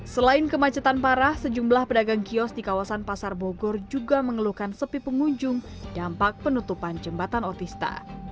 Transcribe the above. selain kemacetan parah sejumlah pedagang kios di kawasan pasar bogor juga mengeluhkan sepi pengunjung dampak penutupan jembatan otista